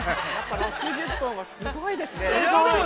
◆６０本もすごいですね。